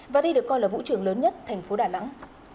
và đây được coi là vũ trường lớn nhất thành phố đà nẵng